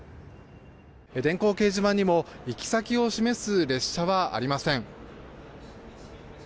電光掲示板にも行き先を示す列車はありません。